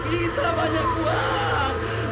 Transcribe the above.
kita banyak uang